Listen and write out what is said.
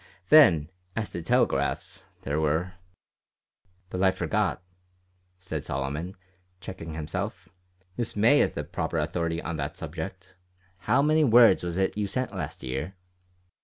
Then as to telegraphs: there were But I forgot," said Solomon, checking himself, "Miss May is the proper authority on that subject. How many words was it you sent last year?"